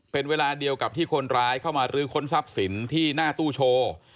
เป็นเวลาเดียวกับที่คนร้ายเข้ามาลื้อค้นทรัพย์สินที่หน้าตู้โชว์